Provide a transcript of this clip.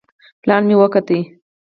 پلان مې وکوت.